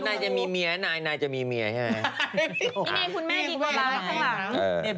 นะนายจะมีเมียนะนายจะมีเมียใช่ไหม